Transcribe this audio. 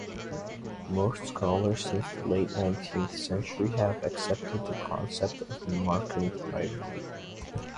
Most scholars since the late nineteenth century have accepted the concept of Marcan priority.